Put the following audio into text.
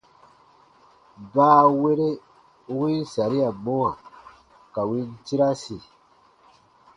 Baawere u win saria mɔwa ka win tirasi.